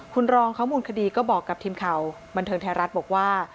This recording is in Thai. คุณรองเขามูลคดีก็บอกกับทีมข่าวบันเทิงไทยรัฐบอกว่า